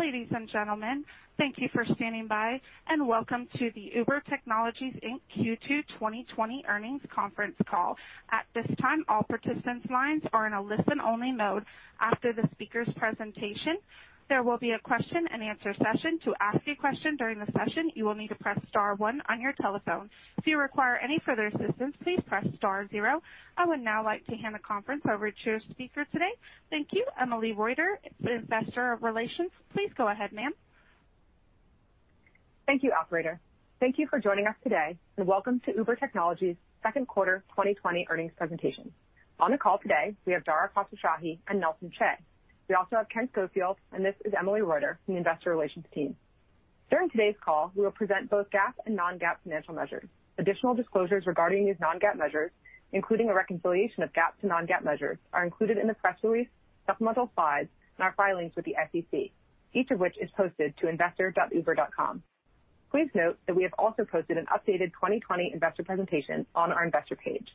Ladies and gentlemen, thank you for standing by, and welcome to the Uber Technologies, Inc. Q2 2020 Earnings Conference Call. Thank you, Emily Reuter, Investor Relations. Please go ahead, ma'am. Thank you, operator. Thank you for joining us today. Welcome to Uber Technologies' Second Quarter 2020 Earnings Presentation. On the call today, we have Dara Khosrowshahi and Nelson Chai. We also have Kent Schofield, and this is Emily Reuter from the Investor Relations Team. During today's call, we will present both GAAP and non-GAAP financial measures. Additional disclosures regarding these non-GAAP measures, including a reconciliation of GAAP to non-GAAP measures, are included in the press release, supplemental slides, and our filings with the SEC, each of which is posted to investor.uber.com. Please note that we have also posted an updated 2020 investor presentation on our investor page.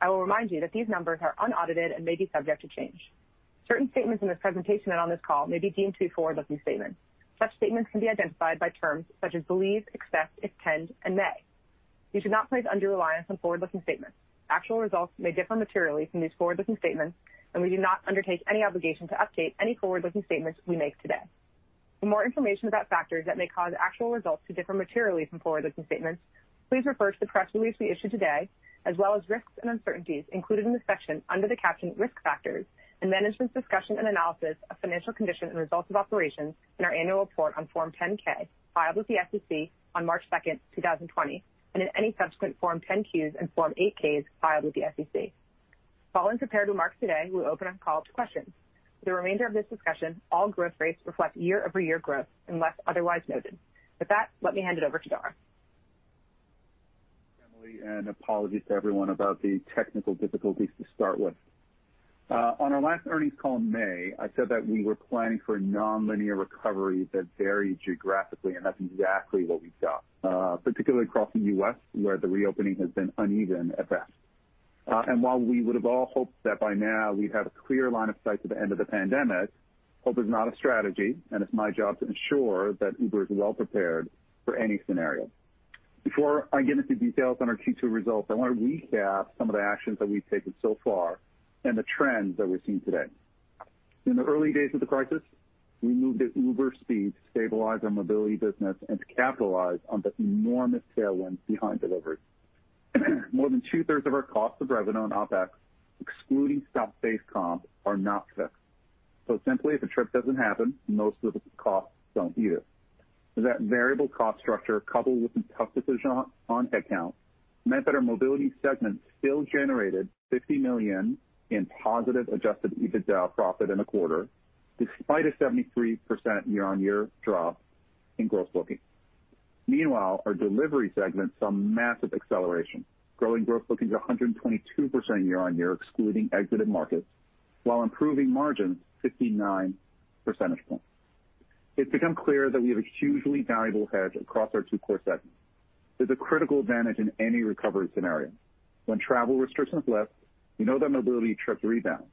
I will remind you that these numbers are unaudited and may be subject to change. Certain statements in this presentation and on this call may be deemed to be forward-looking statements. Such statements can be identified by terms such as believe, expect, intend, and may. You should not place undue reliance on forward-looking statements. Actual results may differ materially from these forward-looking statements, and we do not undertake any obligation to update any forward-looking statements we make today. For more information about factors that may cause actual results to differ materially from forward-looking statements, please refer to the press release we issued today, as well as risks and uncertainties included in the section under the caption Risk Factors and Management's Discussion and Analysis of Financial Condition and Results of Operations in our annual report on Form 10-K, filed with the SEC on March 2, 2020, and in any subsequent Form 10-Qs and Form 8-Ks filed with the SEC. Following prepared remarks today, we'll open up the call to questions. For the remainder of this discussion, all growth rates reflect year-over-year growth unless otherwise noted. With that, let me hand it over to Dara. Emily, apologies to everyone about the technical difficulties to start with. On our last earnings call in May, I said that we were planning for a nonlinear recovery that varied geographically, that's exactly what we've got, particularly across the U.S., where the reopening has been uneven at best. While we would have all hoped that by now we'd have a clear line of sight to the end of the pandemic, hope is not a strategy, and it's my job to ensure that Uber is well prepared for any scenario. Before I get into details on our Q2 results, I wanna recap some of the actions that we've taken so far and the trends that we're seeing today. In the early days of the crisis, we moved at Uber speed to stabilize our mobility business and to capitalize on the enormous tailwinds behind delivery. More than two-thirds of our cost of revenue on OpEx, excluding stock-based comp, are not fixed. Simply, if a trip doesn't happen, most of the costs don't either. That variable cost structure, coupled with some tough decisions on headcount, meant that our mobility segment still generated $50 million in positive adjusted EBITDA profit in the quarter, despite a 73% year-on-year drop in gross bookings. Meanwhile, our delivery segment saw massive acceleration, growing gross bookings 122% year-on-year, excluding exited markets, while improving margins 59 percentage points. It's become clear that we have a hugely valuable hedge across our two core segments. There's a critical advantage in any recovery scenario. When travel restrictions lift, we know that mobility trips rebound.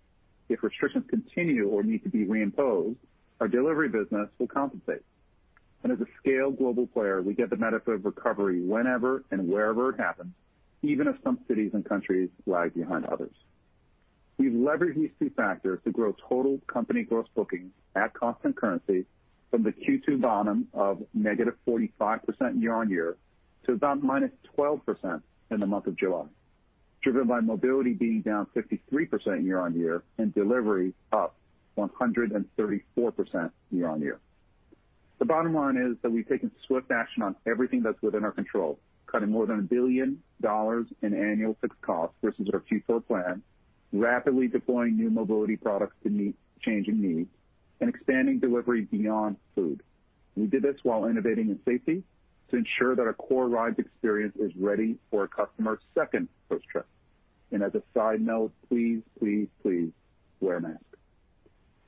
If restrictions continue or need to be reimposed, our delivery business will compensate. As a scaled global player, we get the benefit of recovery whenever and wherever it happens, even if some cities and countries lag behind others. We've leveraged these two factors to grow total company gross bookings at constant currency from the Q2 bottom of -45% year-on-year to about -12% in the month of July, driven by mobility being down 53% year-on-year and delivery up 134% year-on-year. The bottom line is that we've taken swift action on everything that's within our control, cutting more than $1 billion in annual fixed costs versus our Q4 plan, rapidly deploying new mobility products to meet changing needs, and expanding delivery beyond food. We did this while innovating in safety to ensure that our core rides experience is ready for a customer's second post-trip. As a side note, please, please wear a mask.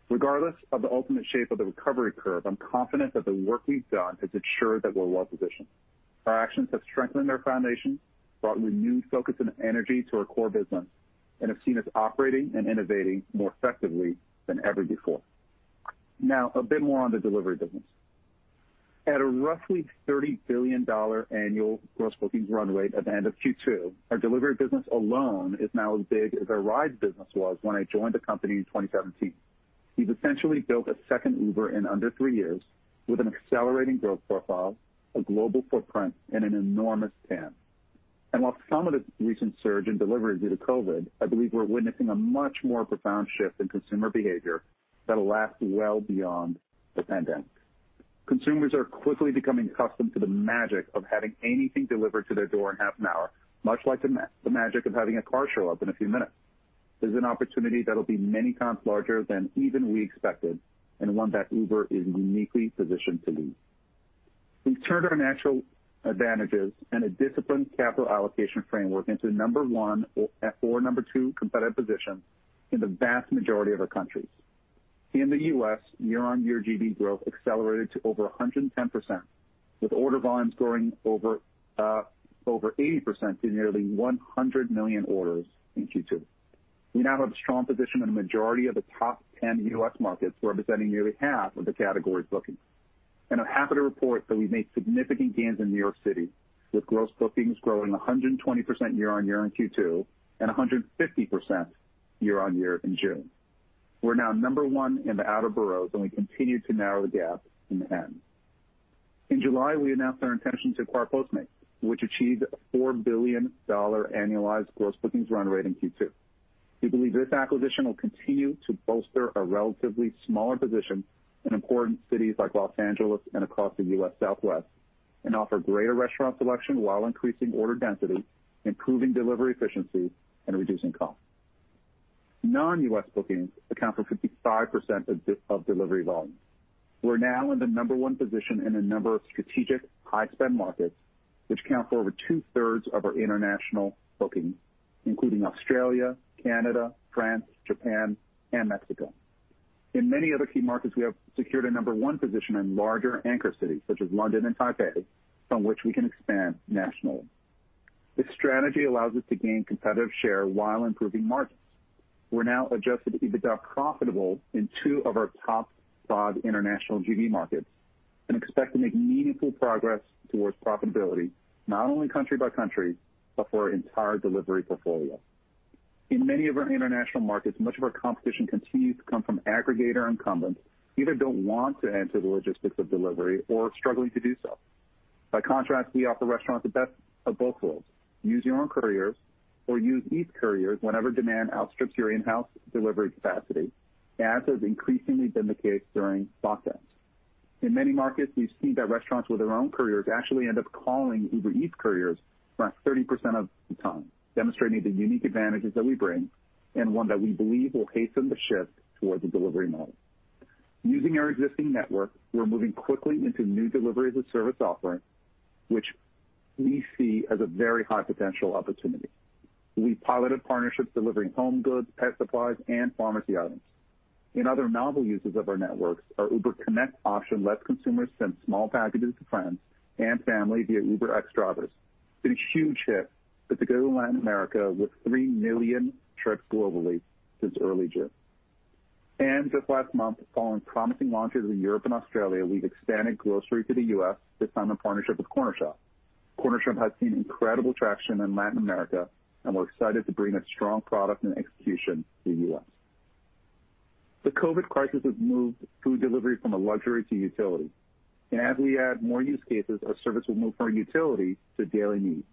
Regardless of the ultimate shape of the recovery curve, I'm confident that the work we've done has ensured that we're well positioned. Our actions have strengthened our foundation, brought renewed focus and energy to our core business, and have seen us operating and innovating more effectively than ever before. Now, a bit more on the delivery business. At a roughly $30 billion annual gross bookings run rate at the end of Q2, our delivery business alone is now as big as our rides business was when I joined the company in 2017. We've essentially built a second Uber in under three years with an accelerating growth profile, a global footprint, and an enormous TAM. While some of this is a recent surge in delivery due to COVID, I believe we're witnessing a much more profound shift in consumer behavior that'll last well beyond the pandemic. Consumers are quickly becoming accustomed to the magic of having anything delivered to their door in half an hour, much like the magic of having a car show up in a few minutes. There's an opportunity that'll be many times larger than even we expected, one that Uber is uniquely positioned to lead. We've turned our natural advantages and a disciplined capital allocation framework into number one or number two competitive position in the vast majority of our countries. In the U.S., year-on-year GB growth accelerated to over 110%, with order volumes growing over 80% to nearly 100 million orders in Q2. We now have a strong position in the majority of the top 10 U.S. markets, representing nearly half of the category's bookings. I'm happy to report that we've made significant gains in New York City, with gross bookings growing 120% year-on-year in Q2 and 150% year-on-year in June. We're now number one in the outer boroughs. We continue to narrow the gap in Manhattan. In July, we announced our intention to acquire Postmates, which achieved a $4 billion annualized gross bookings run rate in Q2. We believe this acquisition will continue to bolster a relatively smaller position in important cities like Los Angeles and across the U.S. Southwest, and offer greater restaurant selection while increasing order density, improving delivery efficiency, and reducing costs. Non-U.S. bookings account for 55% of delivery volume. We're now in the number one position in a number of strategic high-spend markets which account for over 2/3 of our international bookings, including Australia, Canada, France, Japan, and Mexico. In many other key markets, we have secured a number one position in larger anchor cities such as London and Taipei, from which we can expand nationally. This strategy allows us to gain competitive share while improving margins. We're now adjusted EBITDA profitable in two of our top five international GBs markets and expect to make meaningful progress towards profitability, not only country by country, but for our entire delivery portfolio. In many of our international markets, much of our competition continues to come from aggregator incumbents who either don't want to enter the logistics of delivery or are struggling to do so. By contrast, we offer restaurants the best of both worlds. Use your own couriers or use Eats couriers whenever demand outstrips your in-house delivery capacity, as has increasingly been the case during lockdowns. In many markets, we've seen that restaurants with their own couriers actually end up calling Uber Eats couriers around 30% of the time, demonstrating the unique advantages that we bring and one that we believe will hasten the shift towards a delivery model. Using our existing network, we're moving quickly into new delivery as a service offering, which we see as a very high potential opportunity. We've piloted partnerships delivering home goods, pet supplies, and pharmacy items. In other novel uses of our networks, our Uber Connect option lets consumers send small packages to friends and family via UberX drivers. It's been a huge hit with the go to Latin America, with three million trips globally since early June. Just last month, following promising launches in Europe and Australia, we expanded grocery to the U.S. based on a partnership with Cornershop. Cornershop has seen incredible traction in Latin America, and we're excited to bring a strong product and execution to the U.S. The COVID-19 crisis has moved food delivery from a luxury to utility. As we add more use cases, our service will move from a utility to a daily need.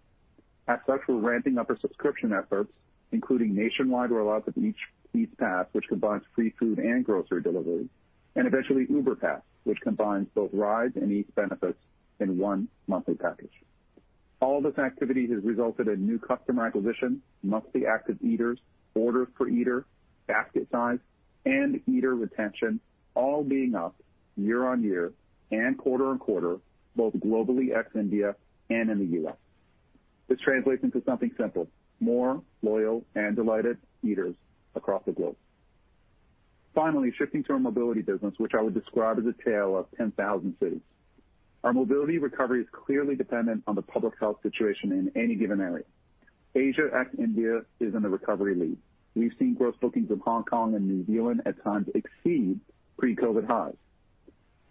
As such, we're ramping up our subscription efforts, including nationwide rollouts of Eats Pass, which combines free food and grocery delivery, and eventually Uber Pass, which combines both Rides and Eats benefits in one monthly package. All this activity has resulted in new customer acquisition, monthly active eaters, orders per eater, basket size, and eater retention all being up year-on-year and quarter-on-quarter, both globally ex-India and in the U.S. This translates into something simple, more loyal and delighted eaters across the globe. Shifting to our mobility business, which I would describe as a tale of 10,000 cities. Our mobility recovery is clearly dependent on the public health situation in any given area. Asia and India is in the recovery lead. We've seen gross bookings in Hong Kong and New Zealand at times exceed pre-COVID highs.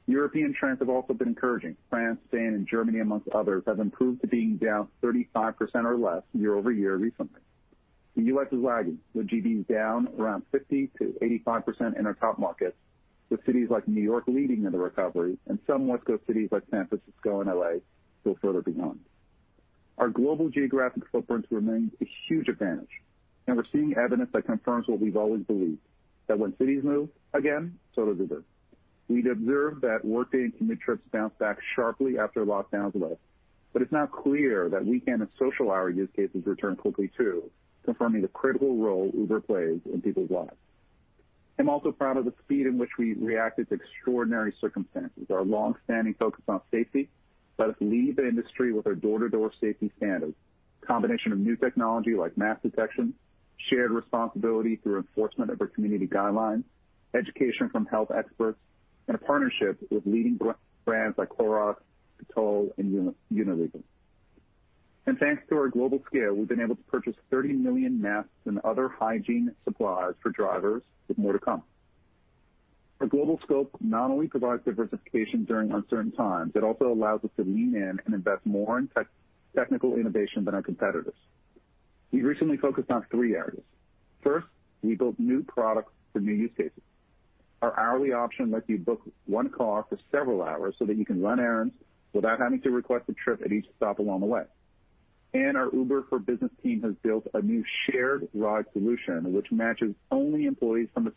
European trends have also been encouraging. France, Spain, and Germany, amongst others, have improved to being down 35% or less year-over-year recently. The U.S. is lagging, with GBs down around 50%-85% in our top markets, with cities like New York leading the recovery and some West Coast cities like San Francisco and L.A. still further behind. Our global geographic footprint remains a huge advantage, and we're seeing evidence that confirms what we've always believed, that when cities move again, so does Uber. We've observed that workday and commute trips bounce back sharply after lockdowns lift, but it's now clear that weekend and social hour use cases return quickly too, confirming the critical role Uber plays in people's lives. I'm also proud of the speed in which we reacted to extraordinary circumstances. Our longstanding focus on safety let us lead the industry with our door-to-door safety standards. Combination of new technology like mask detection, shared responsibility through enforcement of our community guidelines, education from health experts, a partnership with leading brands like Clorox, Dettol, and Unilever. Thanks to our global scale, we've been able to purchase 30 million masks and other hygiene supplies for drivers, with more to come. Our global scope not only provides diversification during uncertain times, it also allows us to lean in and invest more in technical innovation than our competitors. We've recently focused on three areas. First, we built new products for new use cases. Our hourly option lets you book one car for several hours so that you can run errands without having to request a trip at each stop along the way. Our Uber for Business team has built a new shared ride solution, which matches only employees from the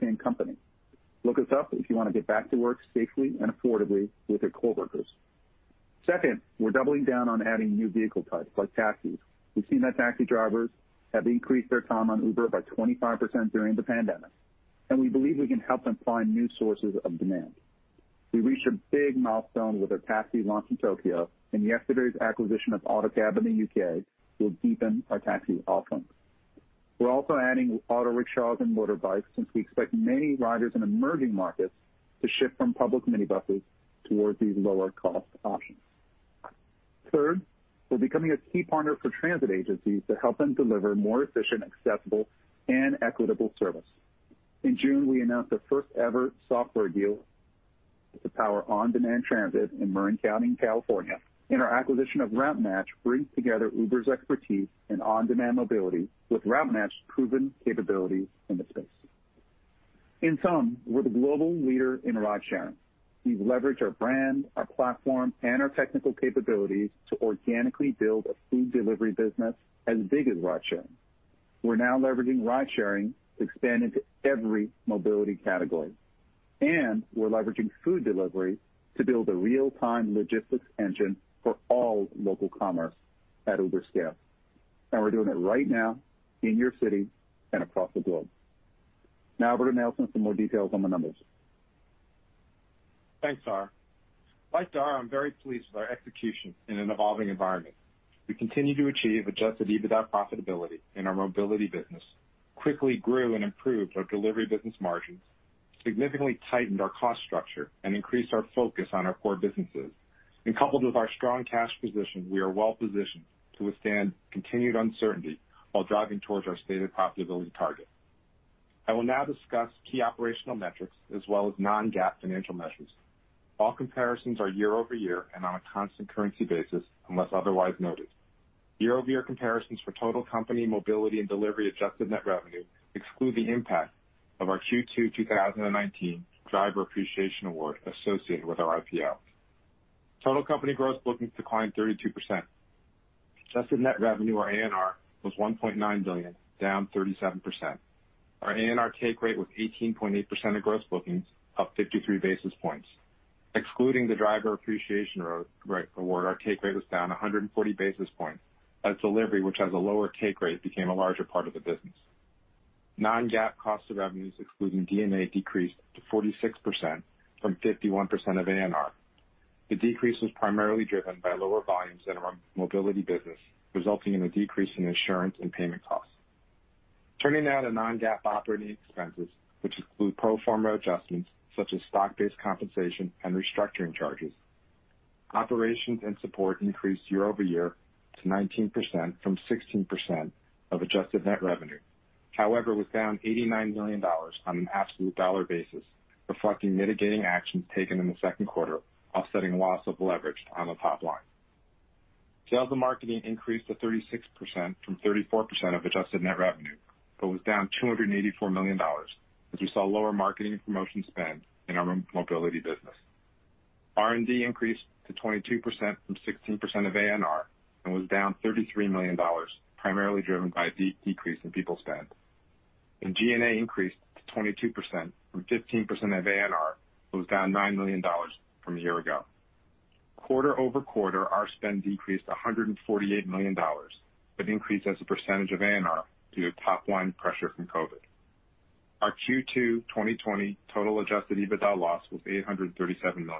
same company. Look us up if you want to get back to work safely and affordably with your coworkers. Second, we're doubling down on adding new vehicle types like taxis. We've seen that taxi drivers have increased their time on Uber by 25% during the pandemic, and we believe we can help them find new sources of demand. We reached a big milestone with our taxi launch in Tokyo, and yesterday's acquisition of Autocab in the U.K. will deepen our taxi offerings. We're also adding auto rickshaws and motorbikes since we expect many riders in emerging markets to shift from public minibuses towards these lower cost options. Third, we're becoming a key partner for transit agencies to help them deliver more efficient, accessible, and equitable service. In June, we announced the first ever software deal to power on-demand transit in Marin County, California. Our acquisition of Routematch brings together Uber's expertise in on-demand mobility with Routematch's proven capabilities in the space. In sum, we're the global leader in ride sharing. We've leveraged our brand, our platform, and our technical capabilities to organically build a food delivery business as big as ride sharing. We're now leveraging ride sharing to expand into every mobility category, and we're leveraging food delivery to build a real-time logistics engine for all local commerce at Uber scale. We're doing it right now in your city and across the globe. Now over to Nelson for more details on the numbers. Thanks, Dara. Like Dara, I'm very pleased with our execution in an evolving environment. We continue to achieve adjusted EBITDA profitability in our mobility business, quickly grew and improved our delivery business margins, significantly tightened our cost structure, and increased our focus on our core businesses. Coupled with our strong cash position, we are well-positioned to withstand continued uncertainty while driving towards our stated profitability target. I will now discuss key operational metrics as well as non-GAAP financial measures. All comparisons are year-over-year and on a constant currency basis unless otherwise noted. Year-over-year comparisons for total company mobility and delivery adjusted net revenue exclude the impact of our Q2 2019 driver appreciation award associated with our IPO. Total company gross bookings declined 32%. Adjusted net revenue or ANR was $1.9 billion, down 37%. Our ANR take rate was 18.8% of gross bookings, up 53 basis points. Excluding the driver appreciation rate award, our take rate was down 140 basis points as delivery, which has a lower take rate, became a larger part of the business. Non-GAAP cost of revenues, excluding G&A, decreased to 46% from 51% of ANR. The decrease was primarily driven by lower volumes in our mobility business, resulting in a decrease in insurance and payment costs. Turning now to Non-GAAP operating expenses, which include pro forma adjustments such as stock-based compensation and restructuring charges. Operations and support increased year-over-year to 19% from 16% of adjusted net revenue. However, it was down $89 million on an absolute dollar basis, reflecting mitigating actions taken in the second quarter, offsetting loss of leverage on the top line. Sales and marketing increased to 36% from 34% of adjusted net revenue, but was down $284 million as we saw lower marketing and promotion spend in our mobility business. R&D increased to 22% from 16% of ANR and was down $33 million, primarily driven by a decrease in people spend. G&A increased to 22% from 15% of ANR, but was down $9 million from a year ago. Quarter-over-quarter, our spend decreased $148 million, but increased as a percentage of ANR due to top line pressure from COVID-19. Our Q2 2020 total adjusted EBITDA loss was $837 million.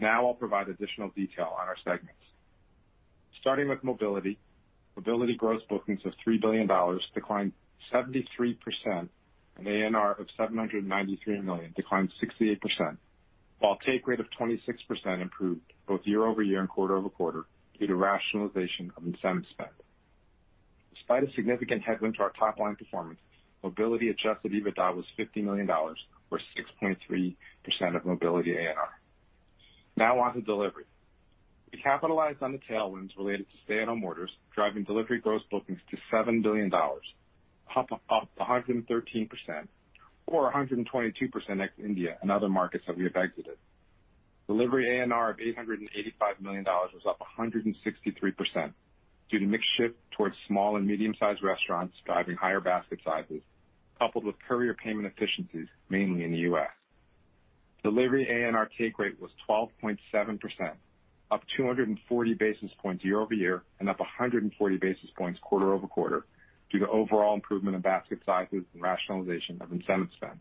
Now I'll provide additional detail on our segments. Starting with mobility. mobility gross bookings of $3 billion declined 73%. ANR of $793 million declined 68%, while take rate of 26% improved both year-over-year and quarter-over-quarter due to rationalization of incentive spend. Despite a significant headwind to our top line performance, mobility adjusted EBITDA was $50 million or 6.3% of mobility ANR. Now on to delivery. We capitalized on the tailwinds related to stay-at-home orders, driving delivery gross bookings to $7 billion, up 113% or 122% ex India and other markets that we have exited. Delivery ANR of $885 million was up 163% due to mix shift towards small and medium-sized restaurants driving higher basket sizes, coupled with courier payment efficiencies, mainly in the U.S. Delivery ANR take rate was 12.7%, up 240 basis points year-over-year and up 140 basis points quarter-over-quarter due to overall improvement in basket sizes and rationalization of incentive spend.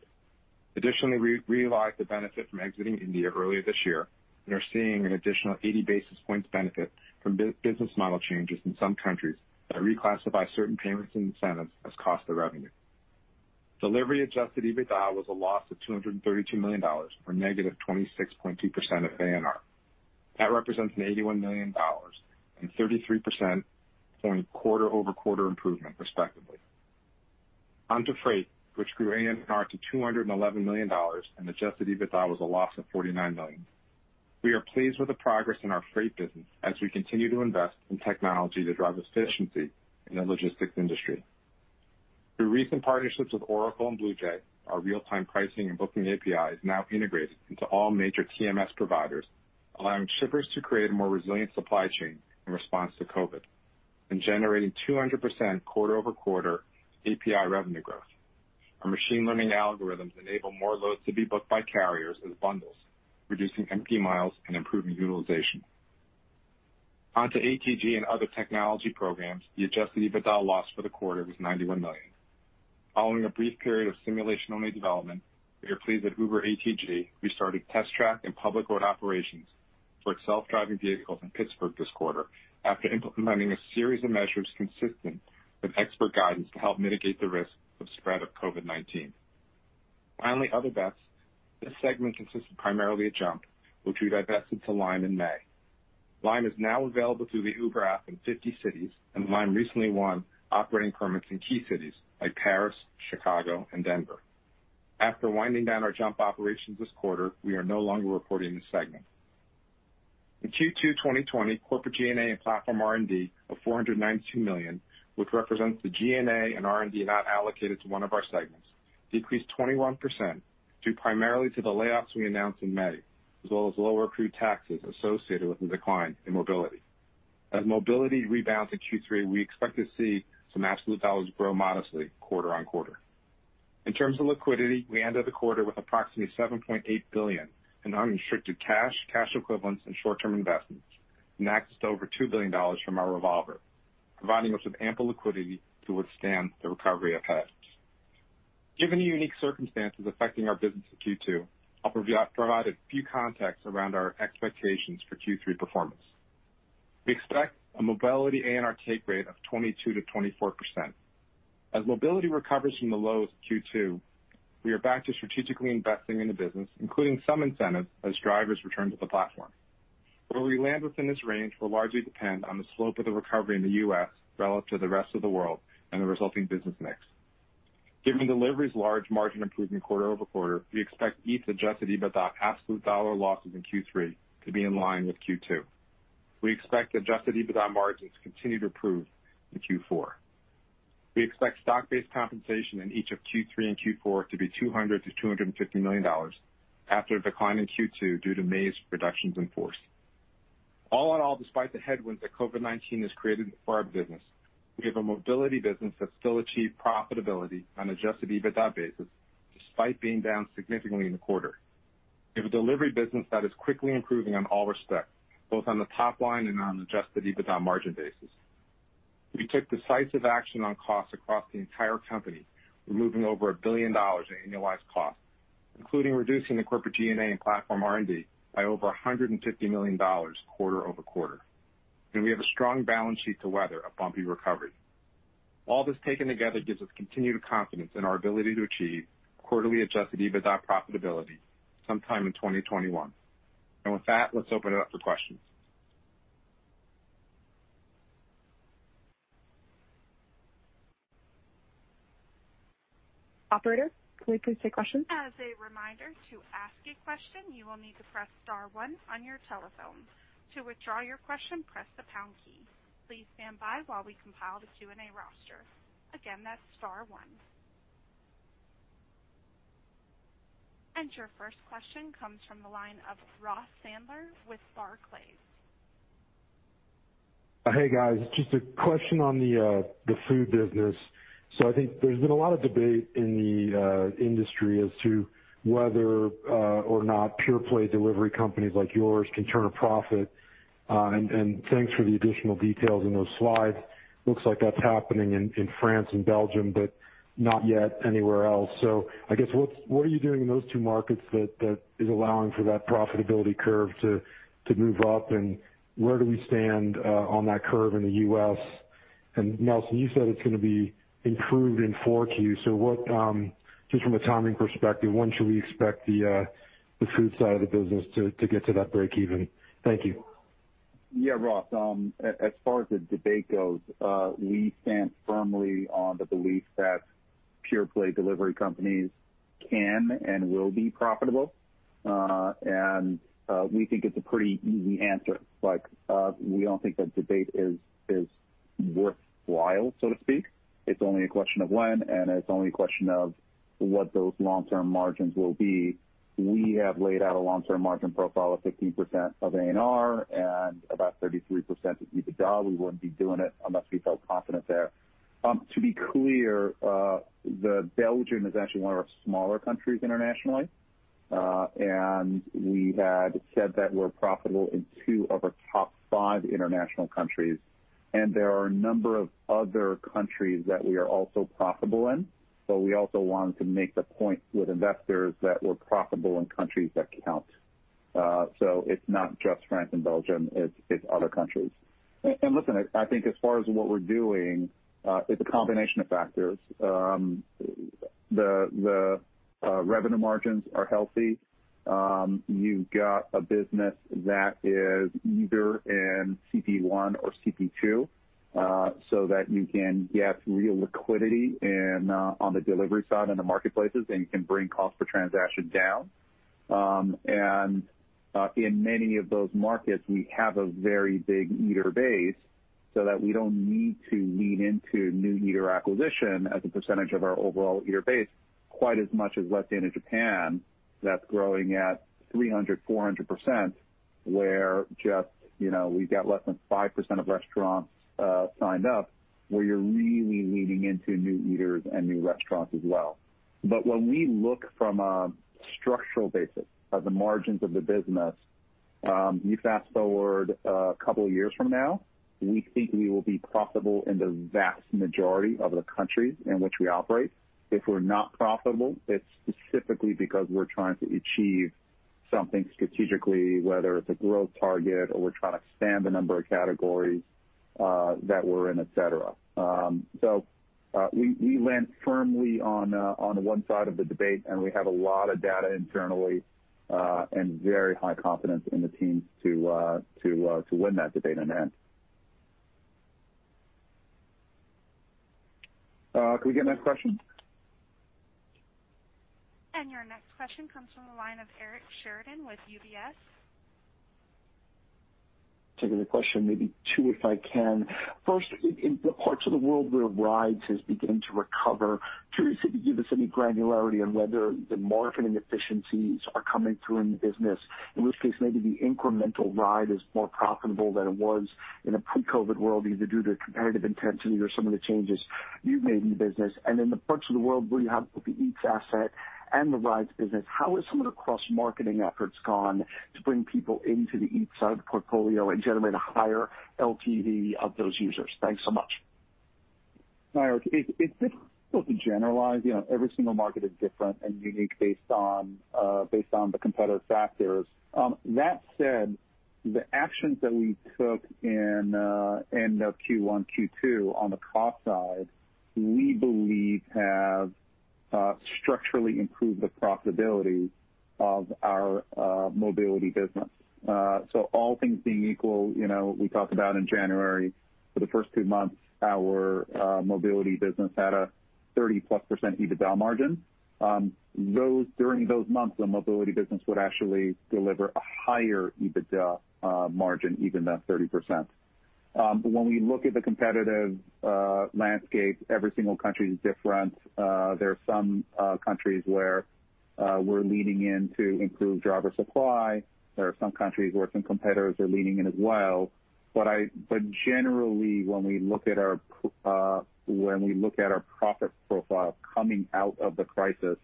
Additionally, we realized the benefit from exiting India earlier this year and are seeing an additional 80 basis points benefit from business model changes in some countries that reclassify certain payments and incentives as cost of revenue. Delivery adjusted EBITDA was a loss of $232 million, or negative 26.2% of ANR. That represents an $81 million and 33 percent point quarter-over-quarter improvement, respectively. Onto freight, which grew ANR to $211 million and adjusted EBITDA was a loss of $49 million. We are pleased with the progress in our freight business as we continue to invest in technology to drive efficiency in the logistics industry. Through recent partnerships with Oracle and BluJay, our real-time pricing and booking API is now integrated into all major TMS providers, allowing shippers to create a more resilient supply chain in response to COVID and generating 200% quarter-over-quarter API revenue growth. Our machine learning algorithms enable more loads to be booked by carriers as bundles, reducing empty miles and improving utilization. ATG and other technology programs, the adjusted EBITDA loss for the quarter was $91 million. Following a brief period of simulation-only development, we are pleased that Uber ATG restarted test track and public road operations for its self-driving vehicles in Pittsburgh this quarter after implementing a series of measures consistent with expert guidance to help mitigate the risk of spread of COVID-19. Other bets. This segment consists primarily of Jump, which we divested to Lime in May. Lime is now available through the Uber app in 50 cities. Lime recently won operating permits in key cities like Paris, Chicago, and Denver. After winding down our Jump operations this quarter, we are no longer reporting this segment. In Q2 2020, corporate G&A and platform R&D of $492 million, which represents the G&A and R&D not allocated to one of our segments, decreased 21% due primarily to the layoffs we announced in May, as well as lower accrued taxes associated with the decline in mobility. As mobility rebounds in Q3, we expect to see some absolute dollars grow modestly quarter-on-quarter. In terms of liquidity, we ended the quarter with approximately $7.8 billion in unrestricted cash equivalents, and short-term investments, and accessed over $2 billion from our revolver, providing us with ample liquidity to withstand the recovery ahead. Given the unique circumstances affecting our business in Q2, I'll provide a few contexts around our expectations for Q3 performance. We expect a mobility ANR take rate of 22%-24%. As mobility recovers from the lows of Q2, we are back to strategically investing in the business, including some incentives as drivers return to the platform. Where we land within this range will largely depend on the slope of the recovery in the U.S. relative to the rest of the world and the resulting business mix. Given Delivery's large margin improvement quarter-over-quarter, we expect Eats adjusted EBITDA absolute dollar losses in Q3 to be in line with Q2. We expect adjusted EBITDA margins to continue to improve in Q4. We expect stock-based compensation in each of Q3 and Q4 to be $200 million-$250 million after a decline in Q2 due to May's reductions in force. All in all, despite the headwinds that COVID-19 has created for our business, we have a mobility business that still achieved profitability on adjusted EBITDA basis, despite being down significantly in the quarter. We have a Delivery business that is quickly improving on all respects, both on the top line and on an adjusted EBITDA margin basis. We took decisive action on costs across the entire company, removing over $1 billion in annualized costs, including reducing the corporate G&A and platform R&D by over $150 million quarter-over-quarter. We have a strong balance sheet to weather a bumpy recovery. All this taken together gives us continued confidence in our ability to achieve quarterly adjusted EBITDA profitability sometime in 2021. With that, let's open it up for questions. Operator, can we please take questions? As a reminder, to ask a question, you will need to press star one on your telephones. To withdraw your question, press the pound key. Please stand by while we compile the Q&A roster. Again, that's star one. And your first question comes from the line of Ross Sandler with Barclays. Hey, guys. Just a question on the food business. I think there's been a lot of debate in the industry as to whether or not pure play delivery companies like yours can turn a profit. Thanks for the additional details in those slides. Looks like that's happening in France and Belgium, but not yet anywhere else. I guess what are you doing in those two markets that is allowing for that profitability curve to move up? Where do we stand on that curve in the U.S.? Nelson, you said it's gonna be improved in 4Q. What just from a timing perspective, when should we expect the food side of the business to get to that breakeven? Thank you. Yeah, Ross. As far as the debate goes, we stand firmly on the belief that pure play delivery companies can and will be profitable. We think it's a pretty easy answer. Like, we don't think the debate is worthwhile, so to speak. It's only a question of when, it's only a question of what those long-term margins will be. We have laid out a long-term margin profile of 15% of ANR and about 33% of EBITDA. We wouldn't be doing it unless we felt confident there. To be clear, Belgium is actually one of our smaller countries internationally. We had said that we're profitable in two of our top five international countries, there are a number of other countries that we are also profitable in. We also wanted to make the point with investors that we're profitable in countries that count. It's not just France and Belgium, it's other countries. Listen, I think as far as what we're doing, it's a combination of factors. The revenue margins are healthy. You've got a business that is either in CP1 or CP2, that you can get real liquidity in on the delivery side and the marketplaces, and you can bring cost per transaction down. In many of those markets, we have a very big eater base, so that we don't need to lean into new eater acquisition as a percentage of our overall eater base quite as much as Latin and Japan that's growing at 300%, 400%, where just, you know, we've got less than 5% of restaurants signed up, where you're really leaning into new eaters and new restaurants as well. When we look from a structural basis at the margins of the business. You fast-forward two years from now, we think we will be profitable in the vast majority of the countries in which we operate. If we're not profitable, it's specifically because we're trying to achieve something strategically, whether it's a growth target or we're trying to expand the number of categories that we're in, et cetera. We land firmly on one side of the debate, and we have a lot of data internally and very high confidence in the teams to win that debate in the end. Can we get the next question? Your next question comes from the line of Eric Sheridan with UBS. Taking the question, maybe two, if I can. First, in the parts of the world where rides has begun to recover, curious if you could give us any granularity on whether the marketing efficiencies are coming through in the business, in which case maybe the incremental ride is more profitable than it was in a pre-COVID-19 world, either due to competitive intensity or some of the changes you've made in the business. In the parts of the world where you have both the Eats asset and the Rides business, how has some of the cross-marketing efforts gone to bring people into the Eats side of the portfolio and generate a higher LTV of those users? Thanks so much. Eric, it's difficult to generalize. You know, every single market is different and unique based on the competitive factors. That said, the actions that we took in end of Q1, Q2 on the cost side, we believe have structurally improved the profitability of our mobility business. All things being equal, you know, we talked about in January, for the first two months, our mobility business had a 30%+ EBITDA margin. During those months, the mobility business would actually deliver a higher EBITDA margin even than 30%. When we look at the competitive landscape, every single country is different. There are some countries where we're leaning in to improve driver supply. There are some countries where some competitors are leaning in as well. Generally, when we look at our profit profile coming out of the crisis,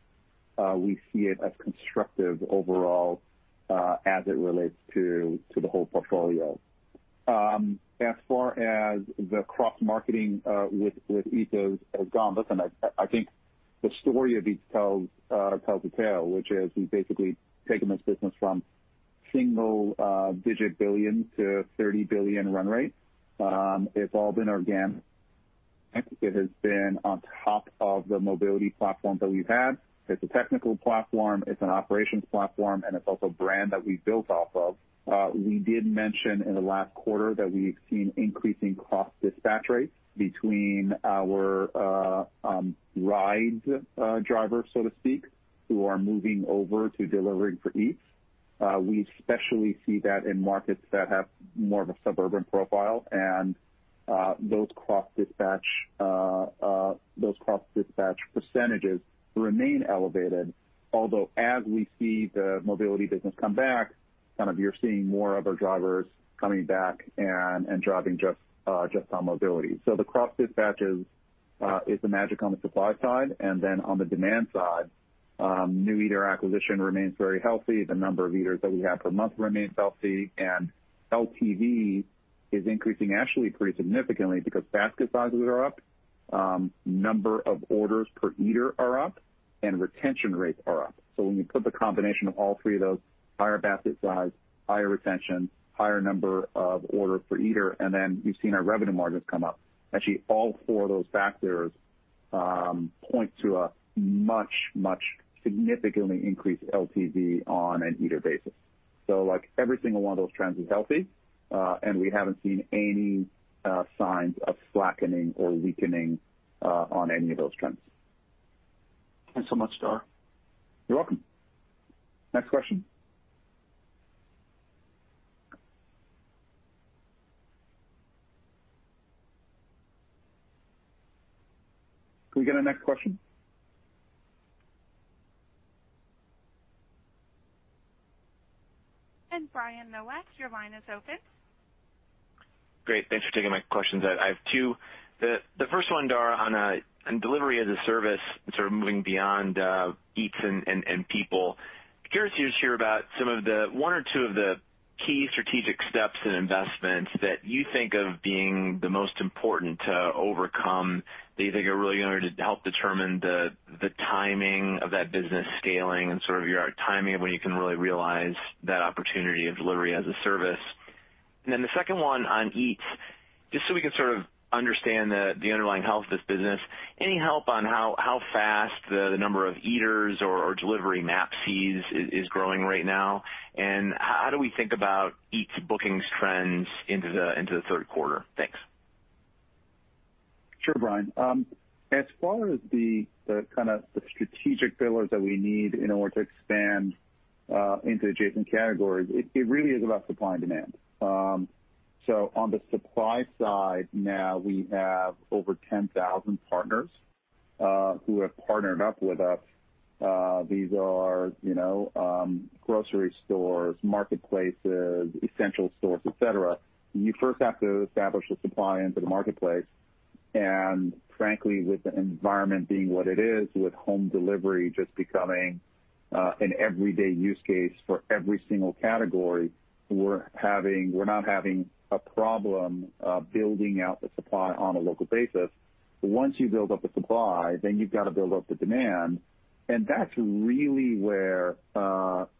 we see it as constructive overall, as it relates to the whole portfolio. As far as the cross-marketing with Eats has gone, listen, I think the story of Eats tells the tale, which is we've basically taken this business from single-digit billion to $30 billion run rate. It's all been organic. It has been on top of the mobility platform that we've had. It's a technical platform, it's an operations platform, and it's also a brand that we built off of. We did mention in the last quarter that we've seen increasing cross-dispatch rates between our rides drivers, so to speak, who are moving over to delivering for Eats. We especially see that in markets that have more of a suburban profile. Those cross-dispatch percentages remain elevated, although as we see the mobility business come back, kind of you're seeing more of our drivers coming back and driving just on mobility. The cross-dispatches is the magic on the supply side, and then on the demand side, new eater acquisition remains very healthy. The number of eaters that we have per month remains healthy, and LTV is increasing actually pretty significantly because basket sizes are up, number of orders per eater are up, and retention rates are up. When you put the combination of all three of those, higher basket size, higher retention, higher number of order per eater, and then you've seen our revenue margins come up, actually all four of those factors, point to a much, much significantly increased LTV on an eater basis. Every single one of those trends is healthy, and we haven't seen any signs of slackening or weakening on any of those trends. Thanks so much, Dara. You're welcome. Next question. Can we get the next question? Brian Nowak, your line is open. Great. Thanks for taking my questions. I have two. The first one, Dara, on delivery as a service and sort of moving beyond Eats and People. Curious to just hear about some of the one or two of the key strategic steps and investments that you think of being the most important to overcome, that you think are really going to help determine the timing of that business scaling and sort of your timing of when you can really realize that opportunity of delivery as a service. The second one on Eats, just so we can sort of understand the underlying health of this business, any help on how fast the number of eaters or delivery MAPCs is growing right now? How do we think about Eats bookings trends into the third quarter? Thanks. Sure, Brian. As far as the kind of the strategic pillars that we need in order to expand into adjacent categories, it really is about supply and demand. On the supply side now, we have over 10,000 partners who have partnered up with us. These are, you know, grocery stores, marketplaces, essential stores, et cetera. You first have to establish the supply into the marketplace. Frankly, with the environment being what it is, with home delivery just becoming an everyday use case for every single category, we're not having a problem building out the supply on a local basis. Once you build up the supply, you've got to build up the demand, that's really where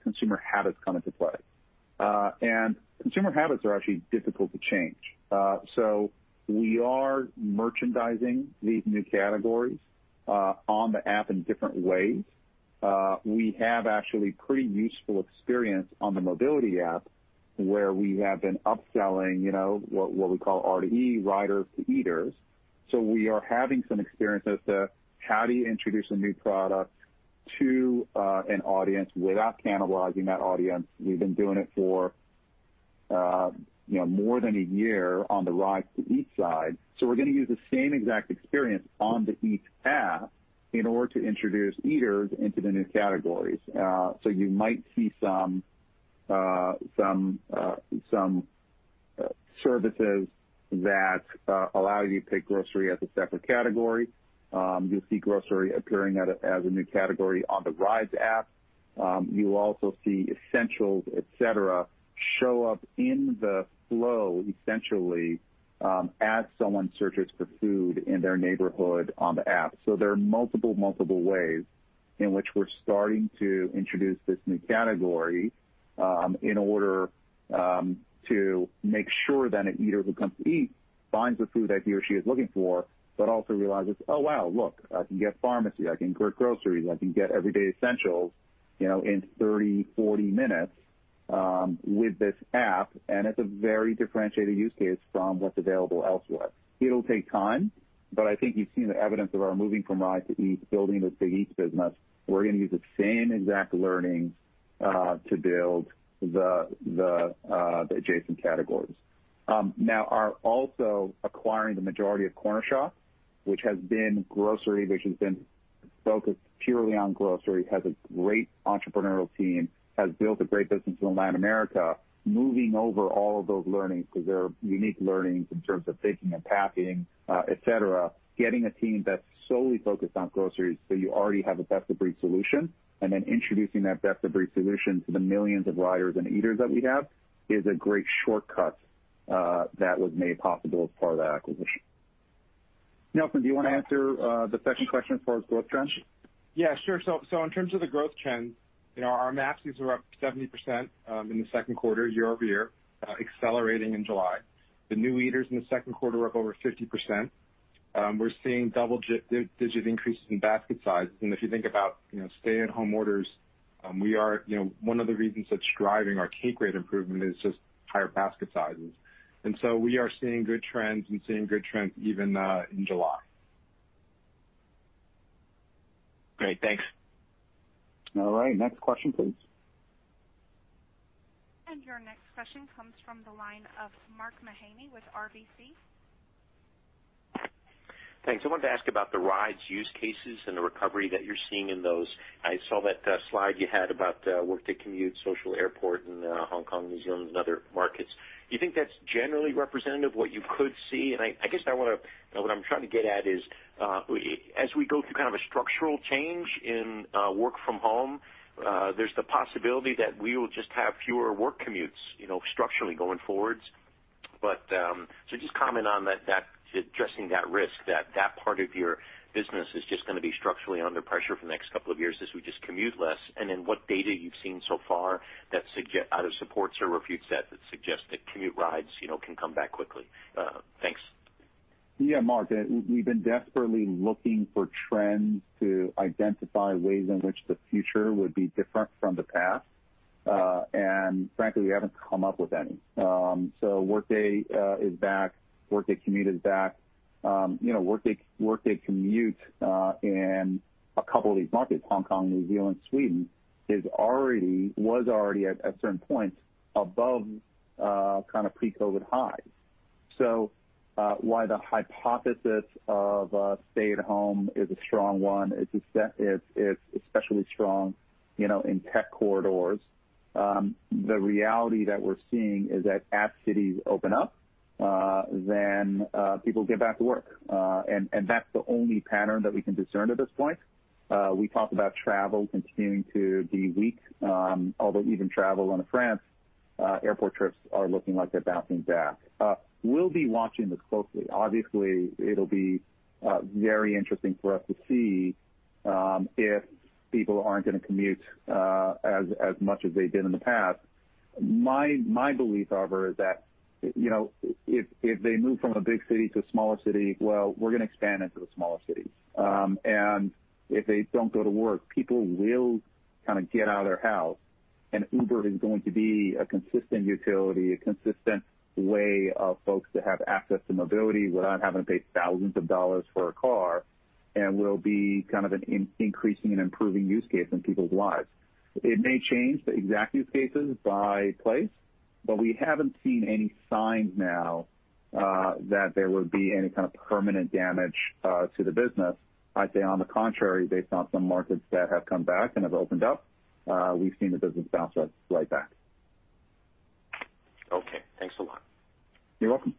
consumer habits come into play. Consumer habits are actually difficult to change. We are merchandising these new categories on the app in different ways. We have actually pretty useful experience on the mobility app, where we have been upselling, you know, what we call R2E, Riders to Eaters. We are having some experiences to how do you introduce a new product to an audience without cannibalizing that audience? We've been doing it for, you know, more than a year on the Rides to Eats side. We're gonna use the same exact experience on the Eats app in order to introduce eaters into the new categories. You might see some services that allow you to pick grocery as a separate category. You'll see grocery appearing as a new category on the Rides app. You will also see essentials, et cetera, show up in the flow, as someone searches for food in their neighborhood on the app. There are multiple ways in which we're starting to introduce this new category, in order to make sure that an eater who comes to Eats finds the food that he or she is looking for, but also realizes, "Oh, wow, look, I can get pharmacy, I can get groceries, I can get everyday essentials, you know, in 30, 40 minutes, with this app," and it's a very differentiated use case from what's available elsewhere. It'll take time, but I think you've seen the evidence of our moving from Rides to Eats, building this big Eats business. We're gonna use the same exact learnings to build the adjacent categories. Now are also acquiring the majority of Cornershop, which has been grocery, which has been focused purely on grocery, has a great entrepreneurial team, has built a great business in Latin America. Moving over all of those learnings, 'cause they're unique learnings in terms of picking and packing, et cetera. Getting a team that's solely focused on groceries, so you already have a best-of-breed solution, and then introducing that best-of-breed solution to the millions of riders and eaters that we have is a great shortcut that was made possible as part of that acquisition. Nelson, do you wanna answer the second question as far as growth trends? Yeah, sure. So in terms of the growth trends, you know, our MAPCs are up 70% in the second quarter year-over-year, accelerating in July. The new eaters in the second quarter are up over 50%. We're seeing double-digit increases in basket sizes. If you think about, you know, stay-at-home orders, we are, you know, one of the reasons that's driving our take rate improvement is just higher basket sizes. We are seeing good trends and seeing good trends even in July. Great. Thanks. All right. Next question, please. Your next question comes from the line of Mark Mahaney with RBC. Thanks. I wanted to ask about the rides use cases and the recovery that you're seeing in those. I saw that slide you had about work to commute, social airport in Hong Kong, New Zealand and other markets. Do you think that's generally representative what you could see? I guess what I want to what I'm trying to get at is, as we go through kind of a structural change in work from home, there's the possibility that we will just have fewer work commutes, you know, structurally going forwards. Just comment on that addressing that risk that that part of your business is just gonna be structurally under pressure for the next couple of years as we just commute less, and then what data you've seen so far that either supports or refutes that suggests that commute rides, you know, can come back quickly. Thanks. Yeah, Mark, we've been desperately looking for trends to identify ways in which the future would be different from the past, frankly, we haven't come up with any. Workday is back, workday commute is back. You know, workday commute in a couple of these markets, Hong Kong, New Zealand, Sweden, was already at certain points above kind of pre-COVID highs. While the hypothesis of stay at home is a strong one, it's especially strong, you know, in tech corridors, the reality that we're seeing is that as cities open up, people get back to work. And that's the only pattern that we can discern at this point. We talk about travel continuing to be weak, although even travel into France, airport trips are looking like they're bouncing back. We'll be watching this closely. Obviously, it'll be very interesting for us to see if people aren't gonna commute as much as they did in the past. My belief, however, is that, you know, if they move from a big city to a smaller city, well, we're gonna expand into the smaller cities. If they don't go to work, people will kind of get out of their house, Uber is going to be a consistent utility, a consistent way of folks to have access to mobility without having to pay thousands of dollars for a car, and will be kind of an increasing and improving use case in people's lives. It may change the exact use cases by place, but we haven't seen any signs now that there would be any kind of permanent damage to the business. I'd say on the contrary, based on some markets that have come back and have opened up, we've seen the business bounce right back. Okay. Thanks a lot. You're welcome.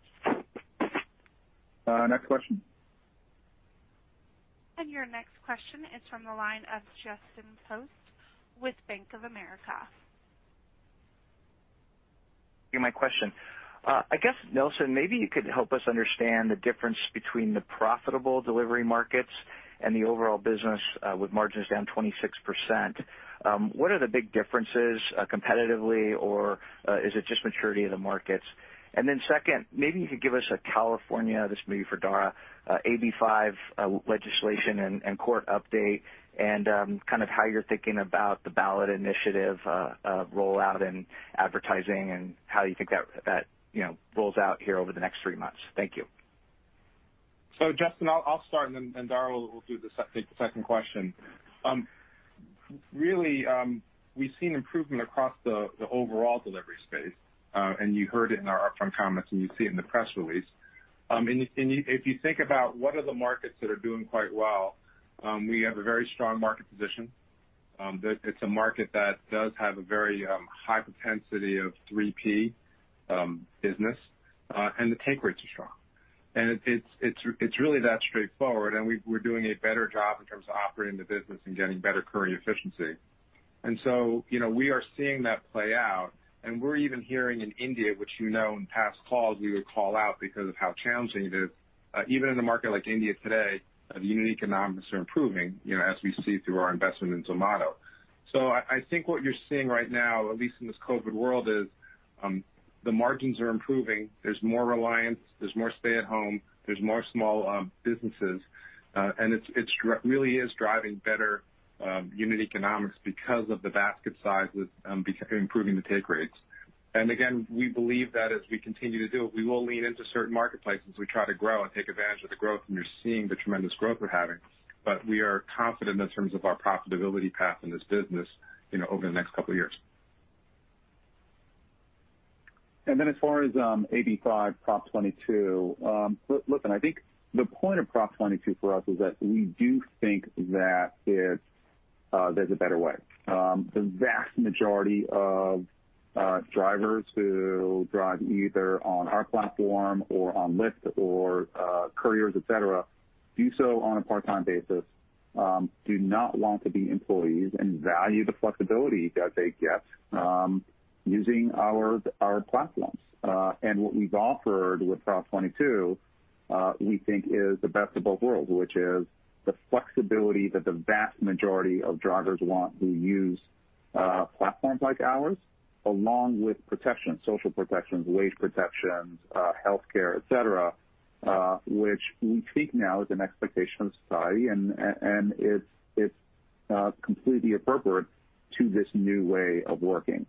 Next question. Your next question is from the line of Justin Post with Bank of America. You my question. I guess, Nelson, maybe you could help us understand the difference between the profitable delivery markets and the overall business, with margins down 26%. What are the big differences, competitively or, is it just maturity of the markets? Then second, maybe you could give us a California, this may be for Dara, AB 5 legislation and court update and, kind of how you're thinking about the ballot initiative, rollout and advertising, and how you think that, you know, rolls out here over the next three months. Thank you. Justin, I'll start and then Dara will take the second question. Really, we've seen improvement across the overall delivery space. You heard it in our upfront comments, and you see it in the press release. And you, if you think about what are the markets that are doing quite well, we have a very strong market position, that it's a market that does have a very high propensity of 3P business, and the take rates are strong. It's really that straightforward, and we're doing a better job in terms of operating the business and getting better courier efficiency. You know, we are seeing that play out and we're even hearing in India, which, you know, in past calls we would call out because of how challenging it is. Even in a market like India today, the unit economics are improving, you know, as we see through our investment in Zomato. I think what you're seeing right now, at least in this COVID world, is the margins are improving. There's more reliance, there's more stay at home, there's more small businesses. It really is driving better unit economics because of the basket size with improving the take rates. Again, we believe that as we continue to do it, we will lean into certain marketplaces. We try to grow and take advantage of the growth, you're seeing the tremendous growth we're having. We are confident in terms of our profitability path in this business, you know, over the next couple of years. As far as AB 5 Prop 22, look, I think the point of Prop 22 for us is that we do think that it's there's a better way. The vast majority of drivers who drive either on our platform or on Lyft or couriers, et cetera, do so on a part-time basis, do not want to be employees and value the flexibility that they get using our platforms. What we've offered with Prop 22, we think is the best of both worlds, which is the flexibility that the vast majority of drivers want who use platforms like ours, along with protections, social protections, wage protections, healthcare, et cetera, which we think now is an expectation of society and it's completely appropriate to this new way of working.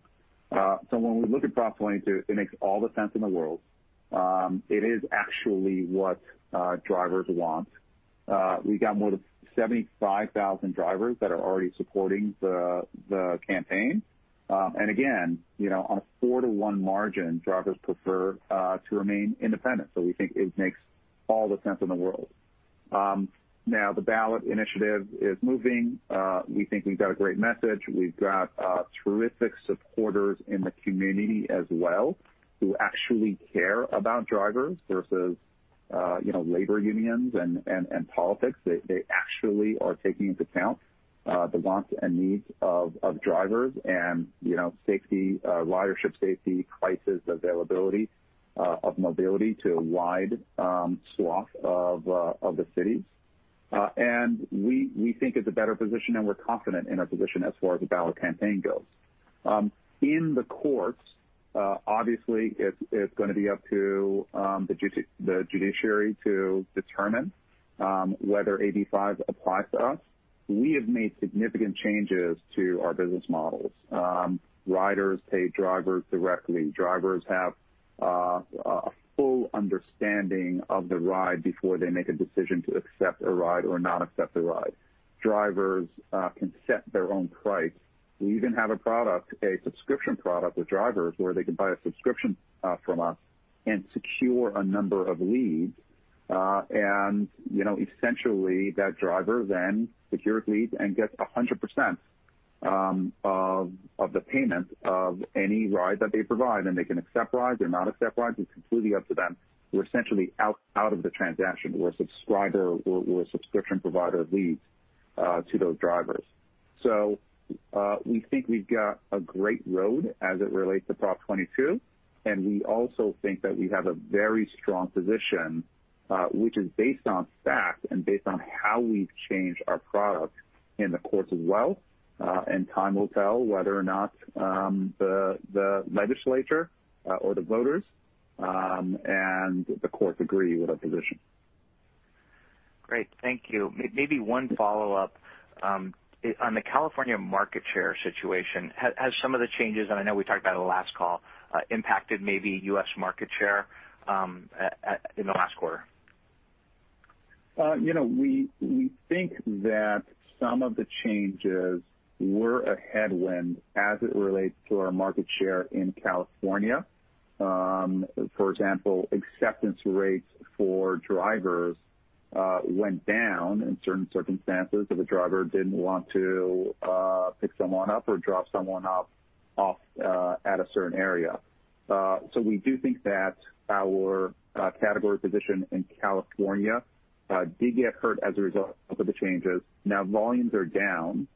When we look at Prop 22, it makes all the sense in the world. It is actually what drivers want. We've got more than 75,000 drivers that are already supporting the campaign. Again, you know, on a four to one margin, drivers prefer to remain independent. We think it makes all the sense in the world. Now the ballot initiative is moving. We think we've got a great message. We've got terrific supporters in the community as well, who actually care about drivers versus, you know, labor unions and politics. They actually are taking into account the wants and needs of drivers and, you know, safety, ridership safety, crisis availability of mobility to a wide swath of the cities. We think it's a better position, and we're confident in our position as far as the ballot campaign goes. In the courts, obviously it's gonna be up to the judiciary to determine whether AB 5 applies to us. We have made significant changes to our business models. Riders pay drivers directly. Drivers have a full understanding of the ride before they make a decision to accept a ride or not accept a ride. Drivers can set their own price. We even have a product, a subscription product with drivers where they can buy a subscription from us and secure a number of leads. You know, essentially that driver then secures leads and gets 100% of the payment of any ride that they provide, and they can accept rides or not accept rides. It's completely up to them. We're essentially out of the transaction. We're a subscriber or a subscription provider of leads to those drivers. We think we've got a great road as it relates to Prop 22, and we also think that we have a very strong position, which is based on facts and based on how we've changed our product in the courts as well. Time will tell whether or not the legislature or the voters and the courts agree with our position. Great. Thank you. Maybe one follow-up, on the California market share situation. Has some of the changes, and I know we talked about it last call, impacted maybe U.S. market share, in the last quarter? You know, we think that some of the changes were a headwind as it relates to our market share in California. For example, acceptance rates for drivers went down in certain circumstances if a driver didn't want to pick someone up or drop someone off at a certain area. We do think that our category position in California did get hurt as a result of the changes. Now, volumes are down,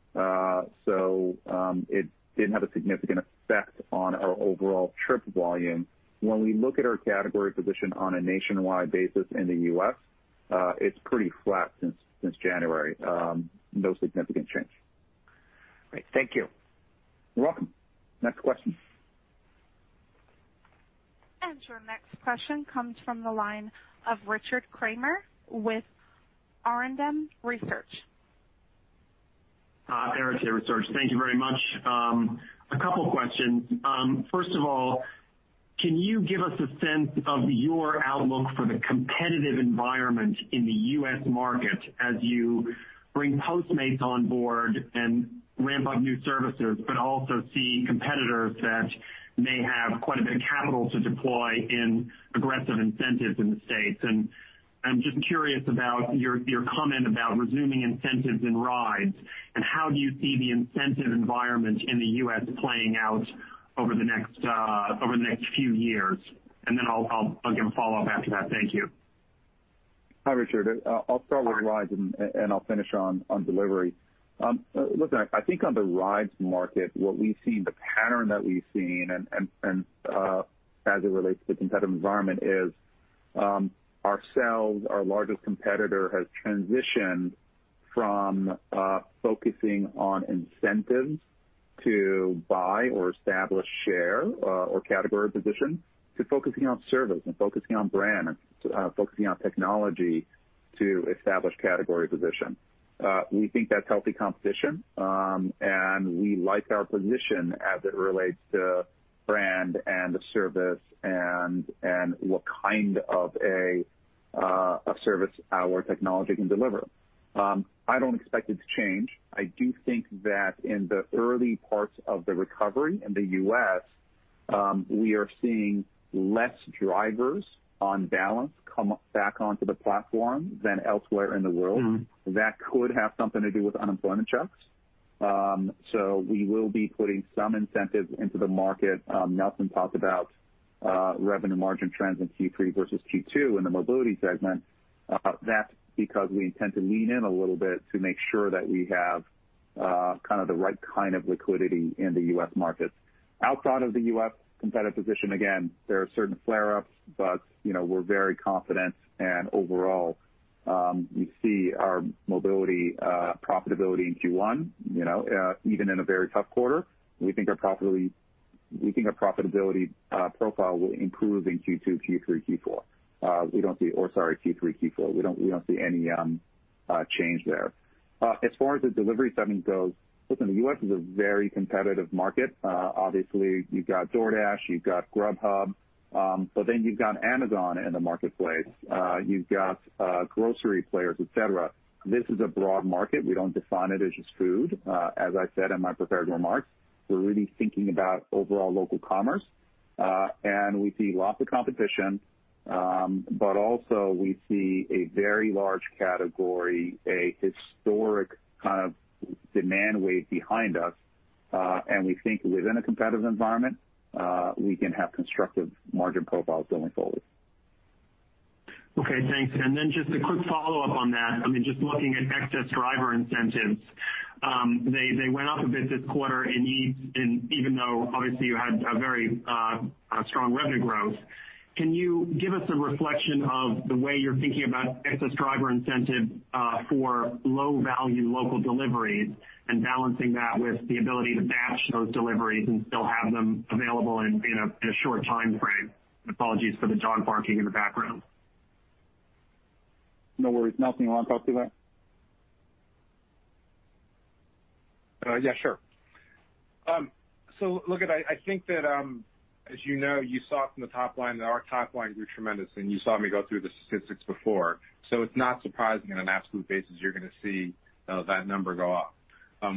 it didn't have a significant effect on our overall trip volume. When we look at our category position on a nationwide basis in the U.S., it's pretty flat since January. No significant change. Great. Thank you. You're welcome. Next question. Your next question comes from the line of Richard Kramer with Arete Research. Arete Research. Thank you very much. A couple questions. First of all, can you give us a sense of your outlook for the competitive environment in the U.S. market as you bring Postmates on board and ramp up new services, but also see competitors that may have quite a bit of capital to deploy in aggressive incentives in the States? I'm just curious about your comment about resuming incentives in rides, and how do you see the incentive environment in the U.S. playing out over the next few years. Then I'll give a follow-up after that. Thank you. Hi, Richard. I'll start with rides. All right. I'll finish on delivery. Look, I think on the rides market, what we've seen, the pattern that we've seen as it relates to the competitive environment is ourselves, our largest competitor, has transitioned from focusing on incentives to buy or establish share or category position, to focusing on service and focusing on brand and focusing on technology to establish category position. We think that's healthy competition. We like our position as it relates to brand and service and what kind of a service our technology can deliver. I don't expect it to change. I do think that in the early parts of the recovery in the U.S., we are seeing less drivers on balance come back onto the platform than elsewhere in the world. That could have something to do with unemployment checks. We will be putting some incentives into the market. Nelson talked about revenue margin trends in Q3 versus Q2 in the Mobility segment. That's because we intend to lean in a little bit to make sure that we have kind of the right kind of liquidity in the U.S. markets. Outside of the U.S. competitive position, again, there are certain flare-ups, but you know, we're very confident and overall, we see our Mobility profitability in Q1, you know, even in a very tough quarter. We think our profitability profile will improve in Q2, Q3, Q4. Or sorry, Q3, Q4. We don't see any change there. As far as the delivery segment goes, listen, the U.S. is a very competitive market. Obviously you've got DoorDash, you've got Grubhub, but then you've got Amazon in the marketplace. You've got grocery players, et cetera. This is a broad market. We don't define it as just food. As I said in my prepared remarks, we're really thinking about overall local commerce. We see lots of competition, but also we see a very large category, a historic kind of demand wave behind us. We think within a competitive environment, we can have constructive margin profiles going forward. Okay, thanks. Just a quick follow-up on that. I mean, just looking at excess driver incentives, they went up a bit this quarter even though obviously you had a very strong revenue growth. Can you give us a reflection of the way you're thinking about excess driver incentive for low-value local deliveries and balancing that with the ability to batch those deliveries and still have them available in a short timeframe? Apologies for the dog barking in the background. No worries. Nelson, you wanna talk to that? Yeah, sure. Look, I think that, as you know, you saw it from the top line that our top line grew tremendously, and you saw me go through the statistics before. It's not surprising on an absolute basis you're gonna see that number go up.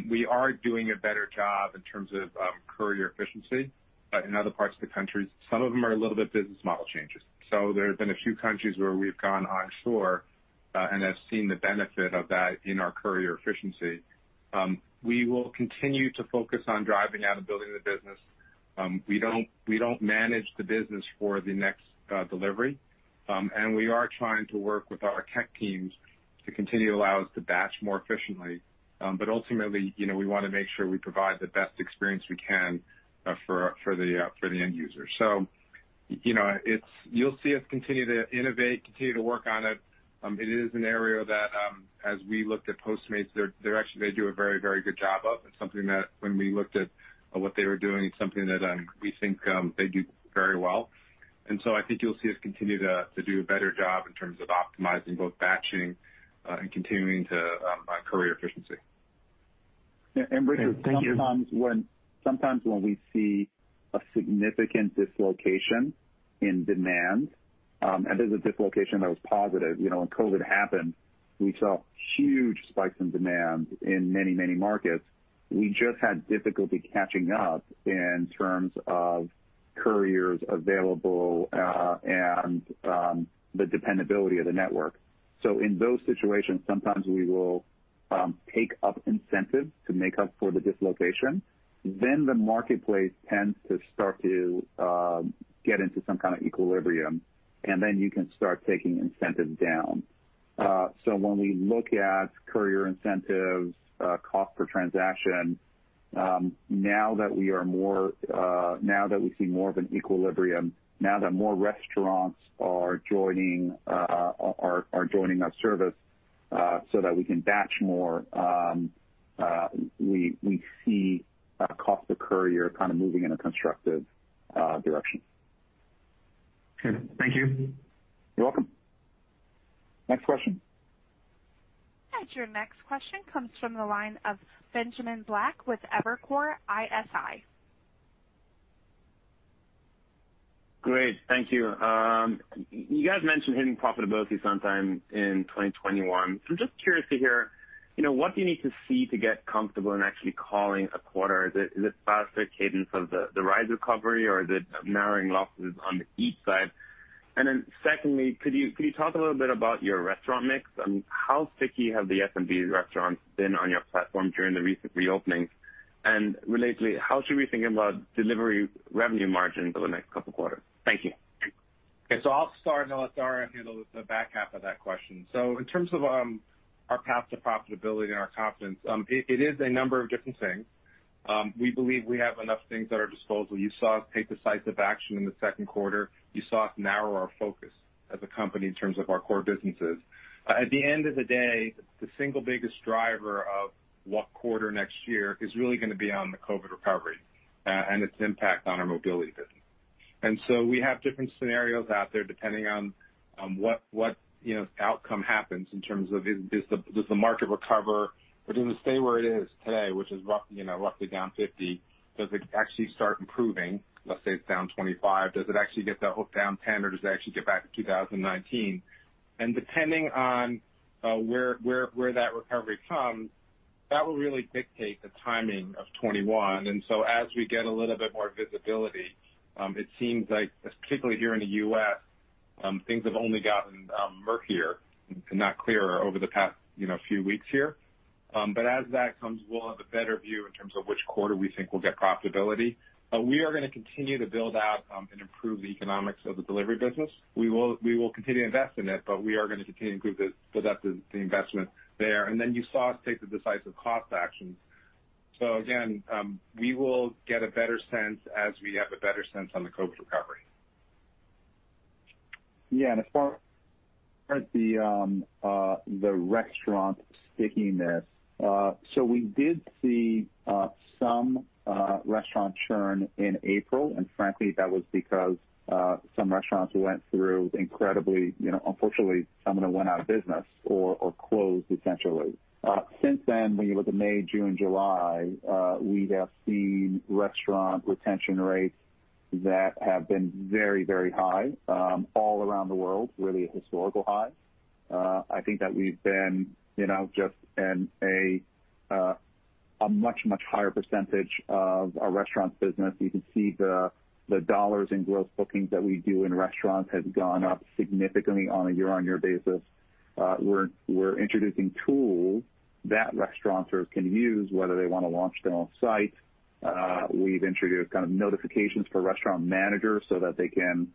We are doing a better job in terms of courier efficiency in other parts of the country. Some of them are a little bit business model changes. There have been a few countries where we've gone onshore and have seen the benefit of that in our courier efficiency. We will continue to focus on driving out and building the business. We don't, we don't manage the business for the next delivery. We are trying to work with our tech teams to continue to allow us to batch more efficiently. Ultimately, you know, we wanna make sure we provide the best experience we can for the end user. You know, you'll see us continue to innovate, continue to work on it. It is an area that, as we looked at Postmates, they're actually, they do a very, very good job of. It's something that when we looked at what they were doing, it's something that we think they do very well. I think you'll see us continue to do a better job in terms of optimizing both batching and continuing to courier efficiency. Thank you. Richard, sometimes when we see a significant dislocation in demand, this is a dislocation that was positive, you know, when COVID-19 happened. We saw huge spikes in demand in many markets. We just had difficulty catching up in terms of couriers available and the dependability of the network. In those situations, sometimes we will take up incentives to make up for the dislocation. The marketplace tends to start to get into some kind of equilibrium, and then you can start taking incentives down. When we look at courier incentives, cost per transaction, now that we are more, now that we see more of an equilibrium, now that more restaurants are joining our service, so that we can batch more, we see cost per courier kind of moving in a constructive direction. Okay. Thank you. You're welcome. Next question. Your next question comes from the line of Benjamin Black with Evercore ISI. Great. Thank you. You guys mentioned hitting profitability sometime in 2021. I'm just curious to hear, you know, what do you need to see to get comfortable in actually calling a quarter? Is it faster cadence of the ride recovery or is it narrowing losses on the Eats side? Secondly, could you talk a little bit about your restaurant mix and how sticky have the SMB restaurants been on your platform during the recent reopening? Relatedly, how should we think about delivery revenue margins over the next couple quarters? Thank you. I'll start, then Dara will handle the back half of that question. In terms of our path to profitability and our confidence, it is a number of different things. We believe we have enough things at our disposal. You saw us take decisive action in the second quarter. You saw us narrow our focus as a company in terms of our core businesses. At the end of the day, the single biggest driver of what quarter next year is really gonna be on the COVID-19 recovery and its impact on our mobility business. We have different scenarios out there, depending on what outcome happens in terms of is, does the market recover, or does it stay where it is today, which is rough, you know, roughly down 50%. Does it actually start improving? Let's say it's down 25, does it actually get to down 10, or does it actually get back to 2019? Depending on where that recovery comes, that will really dictate the timing of 2021. As we get a little bit more visibility, it seems like, particularly here in the U.S., things have only gotten murkier, not clearer over the past, you know, few weeks here. As that comes, we'll have a better view in terms of which quarter we think we'll get profitability. We are gonna continue to build out and improve the economics of the delivery business. We will continue to invest in it, but we are gonna continue to improve the depth of the investment there. You saw us take the decisive cost actions. We will get a better sense as we have a better sense on the COVID recovery. As far as the restaurant stickiness, we did see some restaurant churn in April, and frankly, that was because some restaurants went through incredibly, you know, unfortunately, some of them went out of business or closed essentially. Since then, when you look at May, June, July, we have seen restaurant retention rates that have been very, very high all around the world, really historical highs. I think that we've been, you know, just in a much, much higher percentage of our restaurants business. You can see the dollars in Gross Bookings that we do in restaurants has gone up significantly on a year-on-year basis. We're introducing tools that restaurateurs can use, whether they wanna launch their own site. We've introduced kind of notifications for restaurant managers so that they can,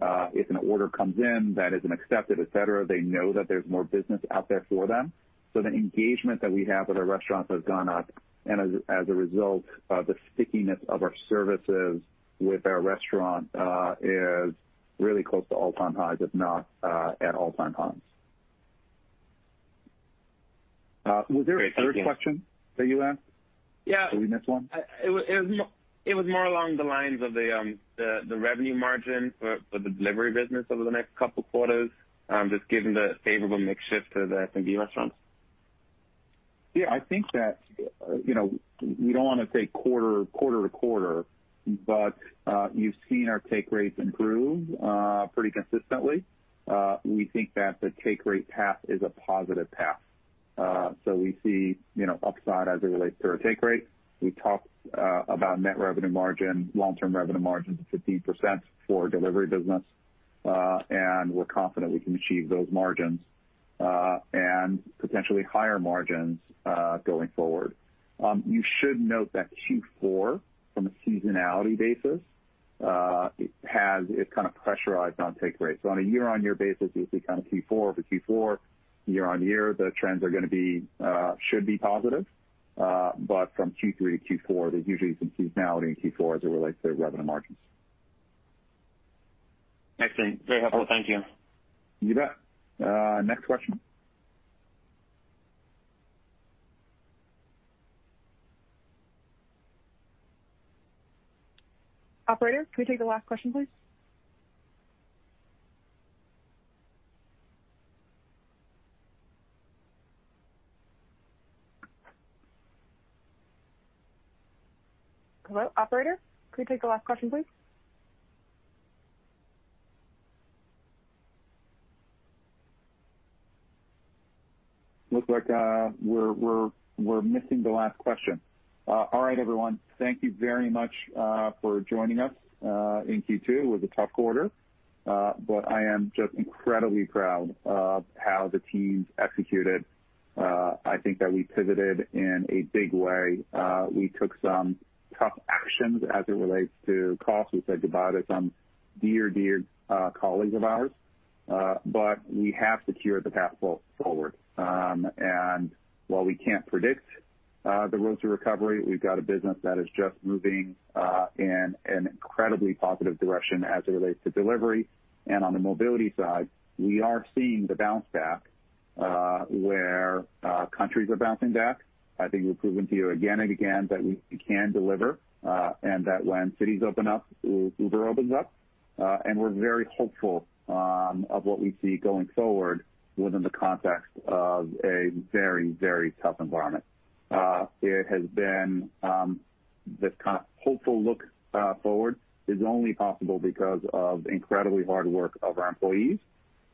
if an order comes in that isn't accepted, et cetera, they know that there's more business out there for them. The engagement that we have with our restaurants has gone up, and as a result, the stickiness of our services with our restaurant is really close to all-time highs, if not at all-time highs. Was there a third question that you asked? Yeah. Did we miss one? It was more along the lines of the revenue margin for the delivery business over the next two quarters, just given the favorable mix shift to the SMB restaurants. I think that, you know, we don't wanna say quarter to quarter, but you've seen our take rates improve pretty consistently. We think that the take rate path is a positive path. We see, you know, upside as it relates to our take rate. We talked about net revenue margin, long-term revenue margin to 15% for our delivery business, and we're confident we can achieve those margins and potentially higher margins going forward. You should note that Q4, from a seasonality basis, has it kind of pressurized on take rate. On a year-on-year basis, you'll see kind of Q4 over Q4 year-on-year, the trends are gonna be should be positive. From Q3 to Q4, there's usually some seasonality in Q4 as it relates to revenue margins. Excellent. Very helpful. Thank you. You bet. Next question. Operator, can we take the last question, please? Hello? Operator, can we take the last question, please? Looks like we're missing the last question. All right, everyone, thank you very much for joining us in Q2. It was a tough quarter. I am just incredibly proud of how the teams executed. I think that we pivoted in a big way. We took some tough actions as it relates to costs. We said goodbye to some dear colleagues of ours. We have secured the path forward. While we can't predict the road to recovery, we've got a business that is just moving in an incredibly positive direction as it relates to delivery. On the mobility side, we are seeing the bounce back where countries are bouncing back. I think we've proven to you again and again that we can deliver, and that when cities open up, Uber opens up. We're very hopeful of what we see going forward within the context of a very, very tough environment. It has been the kind of hopeful look forward is only possible because of incredibly hard work of our employees,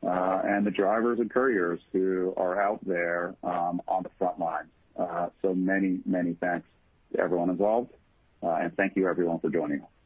and the drivers and couriers who are out there on the front line. Many thanks to everyone involved. Thank you, everyone, for joining us.